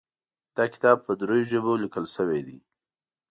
دا کتاب په دریو ژبو لیکل شوی ده